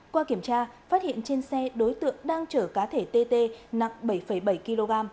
qua kiểm tra phát hiện trên xe đối tượng đang chở cá thể tt nặng bảy bảy kg